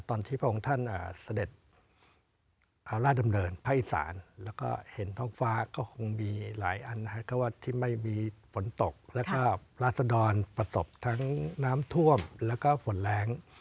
พระองค์ท่านเสด็จพระราชดำเนินภาคอีสานแล้วก็เห็นท้องฟ้าก็คงมีหลายอันนะครับก็ว่าที่ไม่มีฝนตกแล้วก็ราศดรประสบทั้งน้ำท่วมแล้วก็ฝนแรง